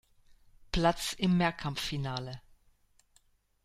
Platz im Mehrkampffinale.